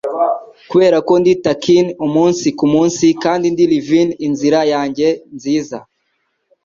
Kuberako ndi takin 'umunsi kumunsi kandi ndi livin' inzira yanjye nziza